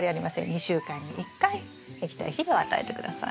２週間に１回液体肥料を与えて下さい。